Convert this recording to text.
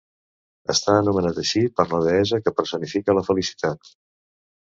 Està anomenat així per la deessa que personifica la felicitat.